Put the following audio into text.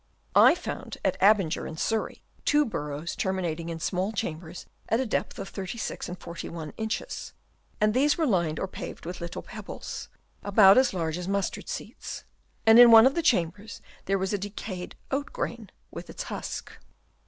I found at Abinger in Surrey two burrows terminating in similar chambers at a depth of 36 and 41 inches, and these were lined or paved with little pebbles, about as large as mustard seeds ; and in one of the chambers there was a decayed oat grain, with its husk.